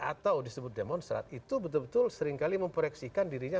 atau disebut demonstrat itu betul betul seringkali memproyeksikan dirinya